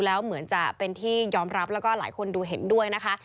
แล้วเหมือนจะเป็นที่ยอมรับแล้วก็หลายคนดูเห็นด้วยนะคะ